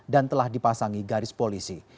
dan telah dipasangi garis polisi